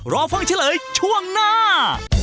รอเพิ่งเฉลยช่วงหน้า